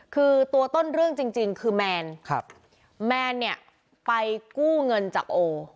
คือตัวต้นเรื่องจริงคือแมนครับแมนเนี่ยไปกู้เงินจากโอ